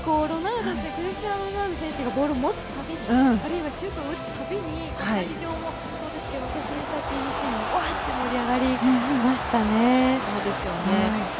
クリスティアーノ・ロナウド選手がボールを持つ、あるいはシュートを打つたびに会場もそうですけれど、私達自身も、わ！と盛り上がりましたね。